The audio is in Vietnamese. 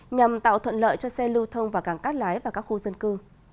nhằm tạo thuận lợi cho xe lưu thông vào cảng cát lái và các khu dân cư